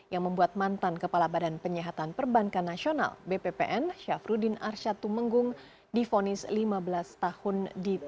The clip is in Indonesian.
yang membuat mantan kepala badan penyihatan perbankan nasional bppn syafruddin arsyad tumenggung difonis lima belas tahun